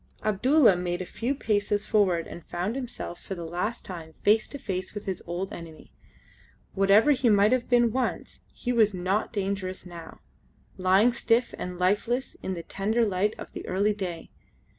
Abdulla made a few paces forward and found himself for the last time face to face with his old enemy. Whatever he might have been once he was not dangerous now, lying stiff and lifeless in the tender light of the early day.